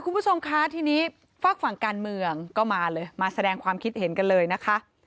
คุณผู้ชมคะทีนี้ฝากฝั่งการเมืองก็มาเลยมาแสดงความคิดเห็นกันเลยนะคะ